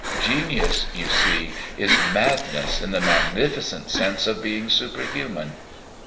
Genius, you see, is madness in the magnificent sense of being superhuman.